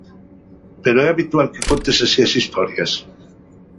Pero é habitual que contes así as historias.